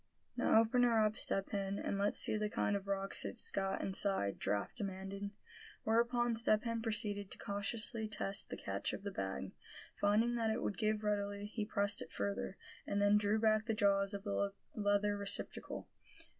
"Now, open her up, Step Hen, and let's see the kind of rocks it's got inside," Giraffe demanded. Whereupon Step Hen proceeded to cautiously test the catch of the bag. Finding that it would give readily, he pressed it further, and then drew back the jaws of the leather receptacle.